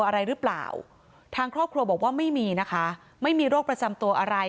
อะไรหรือเปล่าทางครอบครัวบอกว่าไม่มีนะคะไม่มีโรคประจำตัวอะไร